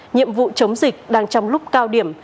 nhiệm vụ chống dịch đang trong lúc cao điểm